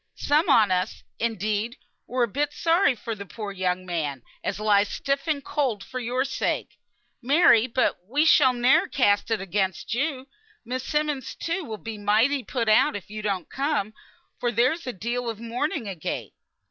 Some on us, indeed, were a bit sorry for the poor young man, as lies stiff and cold for your sake, Mary; but we shall ne'er cast it up against you. Miss Simmonds, too, will be mighty put out if you don't come, for there's a deal of mourning, agait."